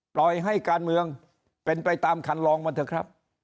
ปล่อยให้การเมืองเป็นไปตามคันลองมันเถอะครับ